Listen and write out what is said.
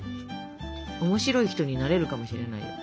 面白い人になれるかもしれないよ。